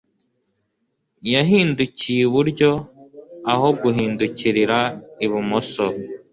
yahindukiye iburyo aho guhindukirira ibumoso